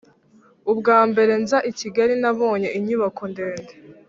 ubwa mbere nza i kigali nabonye inyubaka ndende.